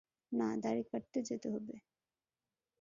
না, দাড়ি কাটতে যেতে হবে।